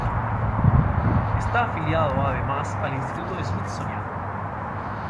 Está afiliado además al Instituto Smithsonian.